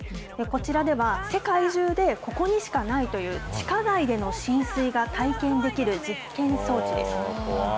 こちらでは、世界中でここにしかないという、地下街での浸水が体験できる実験装置です。